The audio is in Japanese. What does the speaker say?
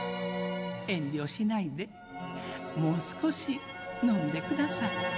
遠慮しないでもう少し飲んでください」。